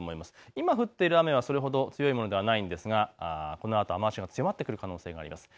今、降っている雨はそれほど強いものではないですが、このあと雨足が強まってくる可能性があります。